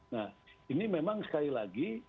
nah ini memang sekali lagi